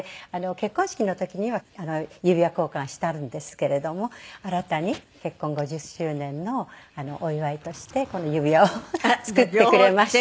結婚式の時には指輪交換したんですけれども新たに結婚５０周年のお祝いとしてこの指輪を作ってくれました。